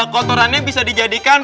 kotorannya bisa dijadikan